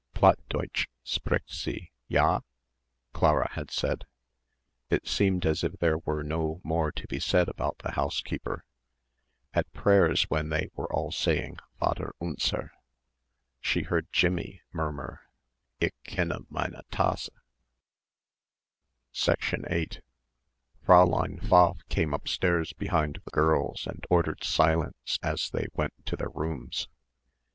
"Platt Deutsch spricht sie, ja?" Clara had said. It seemed as if there were no more to be said about the housekeeper. At prayers when they were all saying "Vater unser," she heard Jimmie murmur, "Ik kenne meine Tasse." 8 Fräulein Pfaff came upstairs behind the girls and ordered silence as they went to their rooms.